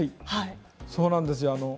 そうなんです。